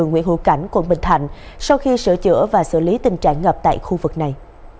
nguyễn hữu cảnh quận bình thạnh sau khi sửa chữa và xử lý tình trạng ngập tại khu vực này